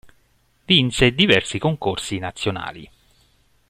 Vinse diversi concorsi nazionali.